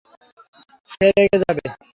সে রেগে যাবে।